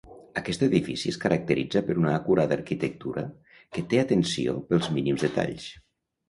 Aquest edifici es caracteritza per una acurada arquitectura, que té atenció pels mínims detalls.